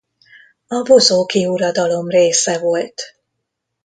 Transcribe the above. A bozóki uradalom része volt.